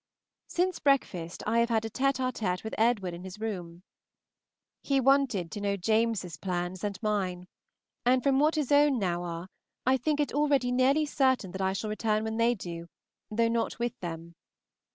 Since breakfast I have had a tête à tête with Edward in his room; he wanted to know James's plans and mine, and from what his own now are I think it already nearly certain that I shall return when they do, though not with them.